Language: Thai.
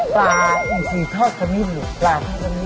ปลาอีสีทอดขมิ้นหรือปลาอีสีทอดขมิ้น